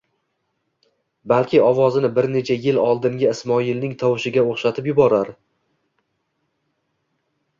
Balki ovozini bir necha yil oldingi Ismoilning tovushiga o'xshatib yuborar.